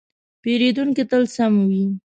پیرودونکی تل سم وي.